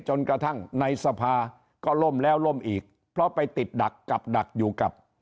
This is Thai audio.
จนกระทั่งในสภาก็ล่มแล้วล่มอีกเพราะไปติดดักกับดักอยู่กับ